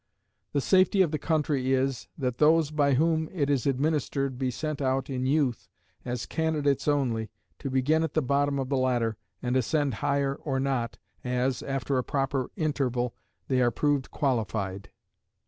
The safety of the country is, that those by whom it is administered be sent out in youth, as candidates only, to begin at the bottom of the ladder, and ascend higher or not, as, after a proper interval, they are proved qualified.